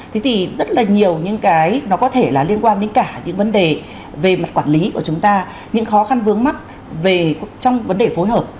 thế thì rất là nhiều những cái nó có thể là liên quan đến cả những vấn đề về mặt quản lý của chúng ta những khó khăn vướng mắt trong vấn đề phối hợp